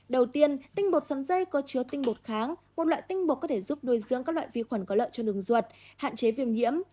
đầu tiên tinh bột giống dây có chứa tinh bột kháng một loại tinh bột có thể giúp nuôi dưỡng các loại vi khuẩn có lợi cho đường ruột hạn chế viêm nhiễm